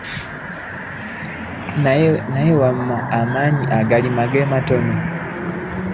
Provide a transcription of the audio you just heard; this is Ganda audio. Naye wamma amaanyi agalima ge matono.